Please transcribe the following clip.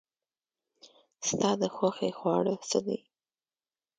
ستا د خوښې خواړه څه دي؟